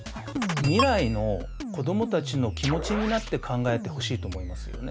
未来の子どもたちの気持ちになって考えてほしいと思いますよね。